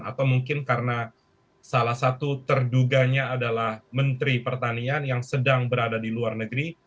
atau mungkin karena salah satu terduganya adalah menteri pertanian yang sedang berada di luar negeri